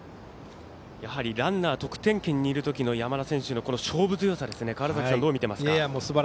ランナー得点圏にいるときの山田選手の勝負強さ、川原崎さんどう見ていますか？